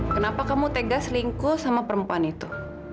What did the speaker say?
kenapa kamu tegas lingkuh sama perempuan itu